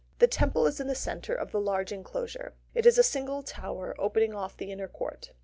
The Temple is in the centre of the large enclosure. It is a single tower opening off the inner court.